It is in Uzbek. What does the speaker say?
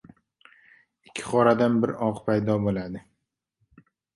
• Ikki qoradan bir oq paydo bo‘ladi.